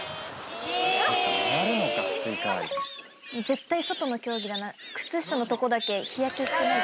絶対外の競技だな。